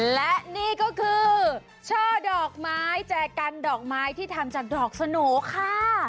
และนี่ก็คือช่อดอกไม้แจกกันดอกไม้ที่ทำจากดอกสโหน่ค่ะ